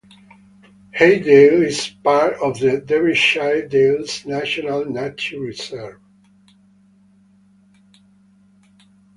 Hay Dale is part of the Derbyshire Dales National Nature Reserve.